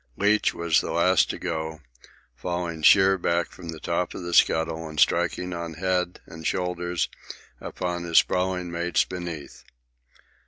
Leach was the last to go, falling sheer back from the top of the scuttle and striking on head and shoulders upon his sprawling mates beneath.